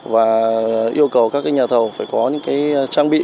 và yêu cầu các nhà thầu phải có những trang bị